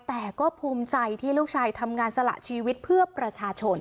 แต่ก็ภูมิใจที่ลูกชายทำงานสละชีวิตเพื่อประชาชน